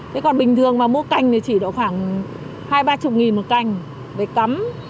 thế còn bình thường mà mua cành thì chỉ khoảng hai mươi ba mươi nghìn một cành để cắm